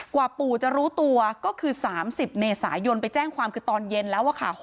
กว่าปู่จะรู้ตัวก็คือ๓๐เมษายนไปแจ้งความคือตอนเย็นแล้วค่ะ